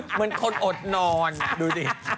เหมือนคนอดนอนดูดิ